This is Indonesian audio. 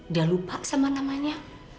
dia lupa sama namanya